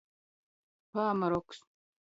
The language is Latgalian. Pāmaroks.